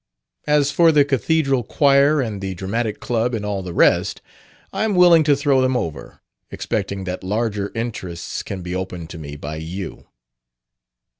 As for the cathedral choir and the dramatic club and all the rest, I am willing to throw them over expecting that larger interests can be opened to me by you."...